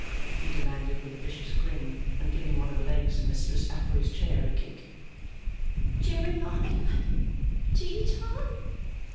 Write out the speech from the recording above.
he demanded with a vicious grin, and giving one of the legs of Mistress Affery's chair a kick. 'Jeremiah? Tea time?